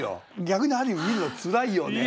逆にある意味見るのつらいよね。